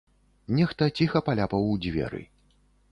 Нехта ціха паляпаў у дзверы.